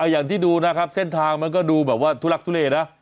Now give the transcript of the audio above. อย่างที่ดูนะครับเส้นทางมันก็ดูแบบว่าทุลักทุเลนะ